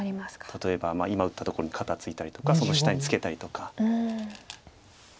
例えば今打ったところに肩ツイたりとかその下にツケたりとか。